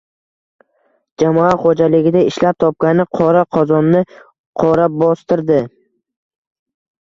Jamoa xo‘jaligida ishlab topgani qora qozonni qora bostirdi